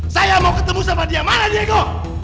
saya mau ketemu sama dia mana diego